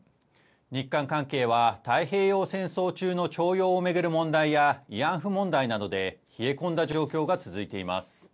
日韓関係は太平洋戦争中の徴用を巡る問題や、慰安婦問題などで冷え込んだ状況が続いています。